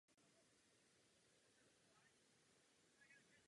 Pokud jde o životní prostředí, toto není rozumné.